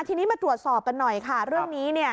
ทีนี้มาตรวจสอบกันหน่อยค่ะเรื่องนี้เนี่ย